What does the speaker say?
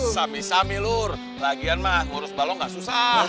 sami sami lho lagian mengurus balong gak susah